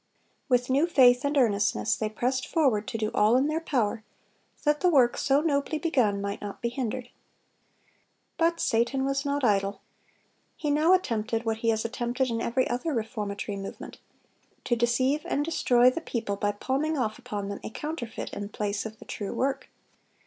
With new faith and earnestness they pressed forward to do all in their power, that the work so nobly begun might not be hindered. But Satan was not idle. He now attempted what he has attempted in every other reformatory movement,—to deceive and destroy the people by palming off upon them a counterfeit in place of the true work.